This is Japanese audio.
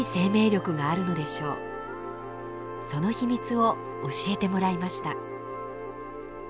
その秘密を教えてもらいました。